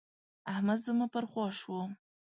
احمد زما پر خوا شو.